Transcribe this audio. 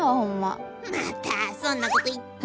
またそんなこと言って。